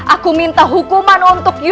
aku minta hukuman untukmu